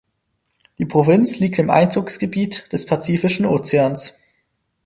Die Provinz liegt im Einzugsgebiet des Pazifischen Ozeans.